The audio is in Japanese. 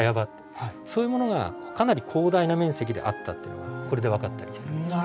そういうものがかなり広大な面積であったというのがこれで分かったりするんです。